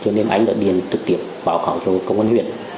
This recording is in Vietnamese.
nên anh đã điền thực tiệp bảo khảo cho công an huyện